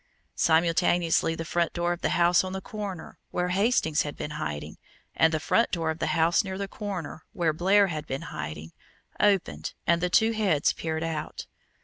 Simultaneously the front door of the house on the corner, where Hastings had been hiding, and the front door of the house near the corner, where Blair had been hiding, opened and two heads peered out.